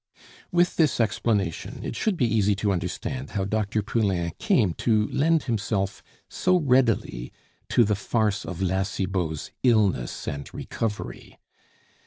With this explanation, it should be easy to understand how Dr. Poulain came to lend himself so readily to the farce of La Cibot's illness and recovery.